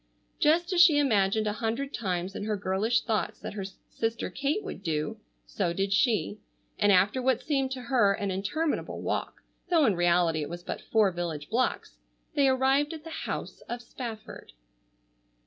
Just as she imagined a hundred times in her girlish thoughts that her sister Kate would do, so did she, and after what seemed to her an interminable walk, though in reality it was but four village blocks, they arrived at the house of Spafford.